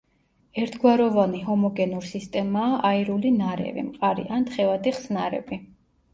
ერთგვაროვანი ჰომოგენურ სისტემაა აირული ნარევი, მყარი ან თხევადი ხსნარები.